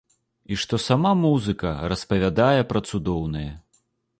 І што сама музыка распавядае пра цудоўнае.